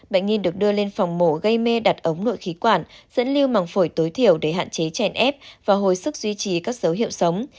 bệnh nhiên được đưa lên phòng mổ gây mê đặt ống nội khí quản dẫn lưu màng phổi tối thiểu để hạn chế chèn ép và hồi sức duy trì các dấu hiệu sống